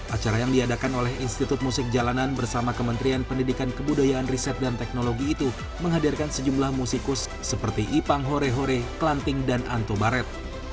acara yang diadakan oleh institut musik jalanan bersama kementerian pendidikan kebudayaan riset dan teknologi itu menghadirkan sejumlah musikus seperti ipang horehore klanting dan antobaret